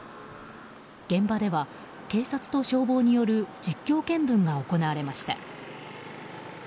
現場では警察と消防による実況見分が行われました。